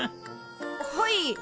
はい。